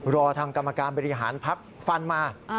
รอทางกรรมการบริหารพักฟันมา